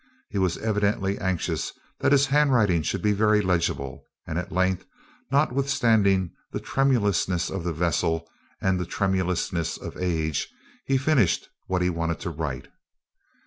He was evidently anxious that his handwriting should be very legible; and at length, notwithstanding the tremulousness of the vessel and the tremulousness of age, he finished what he wanted to write.